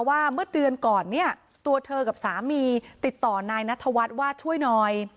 ว่าเมื่อเดือนก่อนเนี่ยตัวเธอกับสามีติดต่อนายนัทวัฒน์ว่าช่วยหน่อย